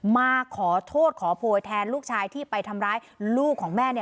มาขอโทษขอโพยแทนลูกชายที่ไปทำร้ายลูกของแม่